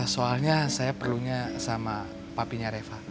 soalnya saya perlunya sama papinya reva